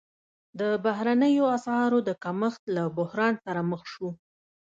د بهرنیو اسعارو د کمښت له بحران سره مخ شو.